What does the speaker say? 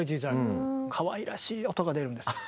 かわいらしい音が出るんですよ。